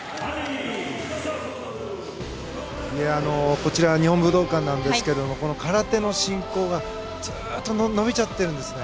こちら日本武道館ですが空手の進行が、ずっと延びちゃっているんですね。